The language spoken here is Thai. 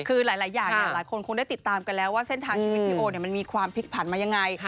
คือหลายอย่างหลายคนคงได้ติดตามกันแล้วว่าเส้นทางชีวิตพี่โอมันมีความพลิกผันมายังไง